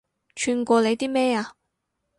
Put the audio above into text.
串過你啲咩啊